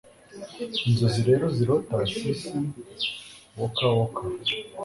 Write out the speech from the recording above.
inzozi rero zirota, s s waker waker